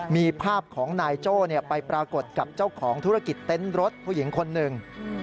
มีภาพของนายโจ้ไปปรากฏกับเจ้าของธุรกิจเต้นรถผู้หญิงคนหนึ่ง